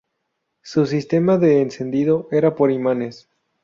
Su sistema de encendido era por imanes.